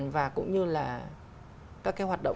và cũng như là các cái hoạt động